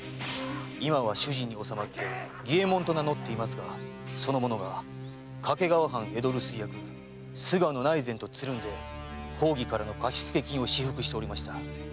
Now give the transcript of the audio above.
今は主人に収まり儀右衛門と名乗っていますがその者が掛川藩江戸留守居役菅野内膳とつるんで公儀からの貸付金を私腹しておりました。